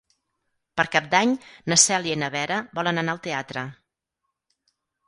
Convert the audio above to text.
Per Cap d'Any na Cèlia i na Vera volen anar al teatre.